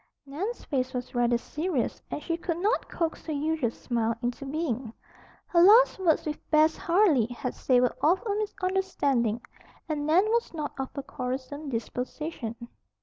Nan's face was rather serious and she could not coax her usual smile into being. Her last words with Bess Harley had savored of a misunderstanding, and Nan was not of a quarrelsome disposition.